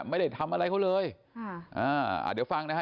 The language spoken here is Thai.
ไม่ได้ทำอะไรเขาเลยค่ะอ่าเดี๋ยวฟังนะฮะ